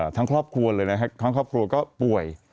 ทั้งครอบครัวเลยนะครับทั้งครอบครัวก็ป่วย